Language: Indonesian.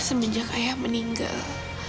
sebenjak ayah meninggal